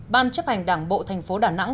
ban chấp hành đảng bộ thành phố đà nẵng